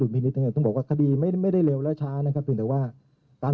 มันบอกว่าไม่ใช่ธนัยตั้ม